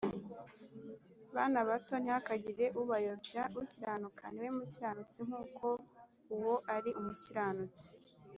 Bana bato, ntihakagire ubayobya. Ukiranuka ni we mukiranutsi nk’uko uwo ari umukiranutsi